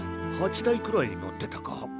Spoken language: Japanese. ８体くらいのってたか？